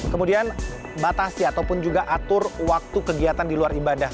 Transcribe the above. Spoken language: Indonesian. kemudian batasi ataupun juga atur waktu kegiatan di luar ibadah